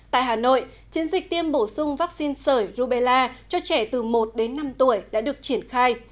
tại hà nội chiến dịch tiêm bổ sung vaccine sởi rubella cho trẻ từ một đến năm tuổi đã được triển khai